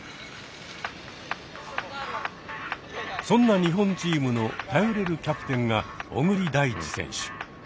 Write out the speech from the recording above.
そんな日本チームの頼れるキャプテンが小栗大地選手。